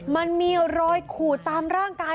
มันมีรอยขูดตามร่างกาย